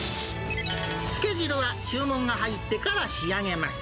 つけ汁は注文が入ってから仕上げます。